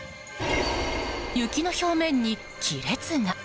雪の表面に亀裂が！